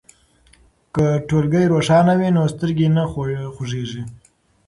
که ټولګی روښانه وي نو سترګې نه خوږیږي.